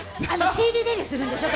ＣＤデビューするんでしょ？